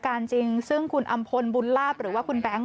จริงซึ่งคุณอำพลบุญลาบหรือว่าคุณแบงค์